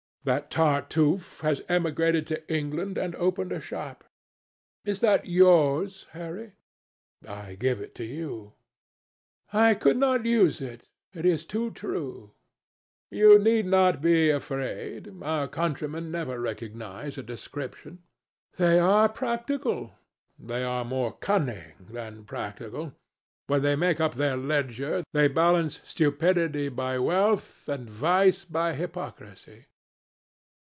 "That Tartuffe has emigrated to England and opened a shop." "Is that yours, Harry?" "I give it to you." "I could not use it. It is too true." "You need not be afraid. Our countrymen never recognize a description." "They are practical." "They are more cunning than practical. When they make up their ledger, they balance stupidity by wealth, and vice by hypocrisy."